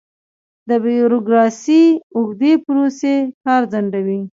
د بیروکراسۍ اوږدې پروسې کار ځنډوي.